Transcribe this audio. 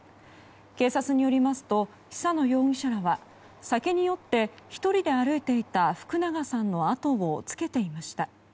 警察によりますと久野容疑者らは、酒に酔って１人で歩いていた福永さんの後をつけていました。